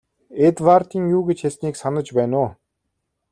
Эдвардын юу гэж хэлснийг санаж байна уу?